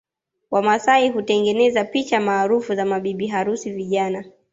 Wamasai hutengeneza picha maarufu za mabibi harusi vijana